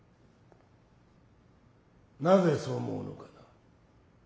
なぜそう思うのかな？